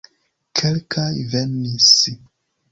Kelkaj venis.